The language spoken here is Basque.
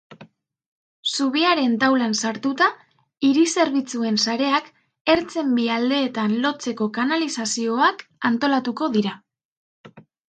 Zubiaren taulan sartuta, hiri-zerbitzuen sareak ertzen bi aldeetan lotzeko kanalizazioak antolatuko dira.